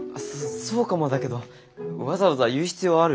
そそうかもだけどわざわざ言う必要ある？